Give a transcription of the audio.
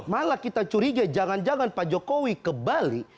malah kita curiga jangan jangan pak jokowi ke bali